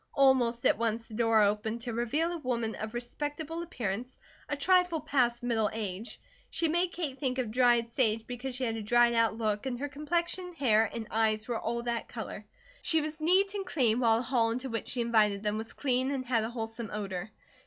Almost at once the door opened, to reveal a woman of respectable appearance, a trifle past middle age. She made Kate think of dried sage because she had a dried out look and her complexion, hair, and eyes were all that colour. She was neat and clean while the hall into which she invited them was clean and had a wholesome odour.